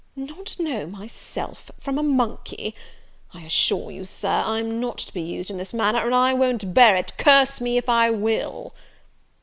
"Not know myself from a monkey! I assure you, Sir, I'm not to be used in this manner, and I won't bear it curse me if I will!"